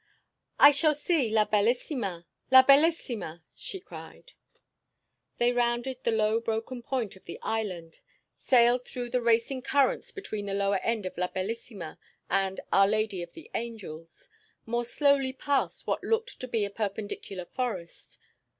"I shall see La Bellissima! La Bellissima!" she cried. They rounded the low broken point of the island, sailed through the racing currents between the lower end of La Bellissima and "Our Lady of the Angels," more slowly past what looked to be a perpendicular forest.